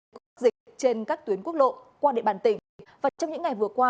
tổ công tác dịch trên các tuyến quốc lộ qua địa bàn tỉnh và trong những ngày vừa qua